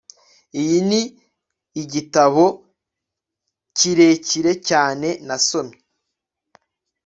Iyi ni igitabo kirekire cyane nasomye